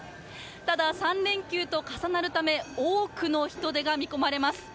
ただ３連休と重なるため多くの人出が見込まれます。